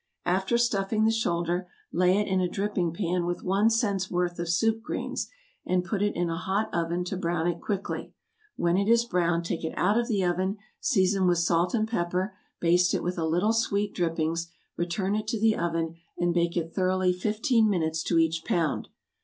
After stuffing the shoulder, lay it in a dripping pan with one cent's worth of soup greens, and put it in a hot oven to brown it quickly; when it is brown take it out of the oven, season with salt and pepper, baste it with a little sweet drippings, return it to the oven, and bake it thoroughly fifteen minutes to each pound.